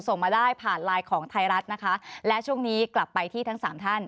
ส่งมาได้ผ่านไลน์ของไทยรัฐนะคะและช่วงนี้กลับไปที่ทั้งสามท่าน